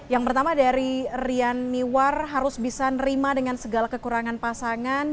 yang pertama dari rian miwar harus bisa nerima dengan segala kekurangan pasangan